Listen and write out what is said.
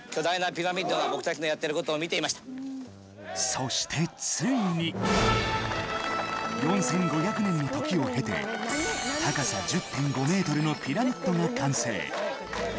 そして、ついに４５００年の時を経て、高さ１０．５ｍのピラミッドが完成。